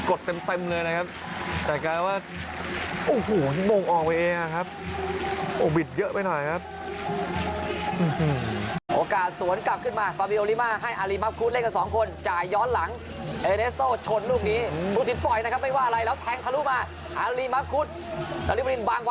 โอ้โหกดเต็มเลยนะครับแต่กลายเป็นว่าโอ้โหโมงออกไปเองครับ